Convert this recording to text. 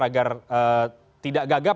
agar tidak gagap